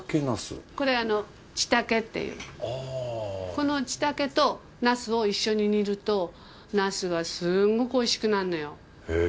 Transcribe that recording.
このちたけとなすを一緒に煮るとなすがすっごくおいしくなんのよ。へぇ。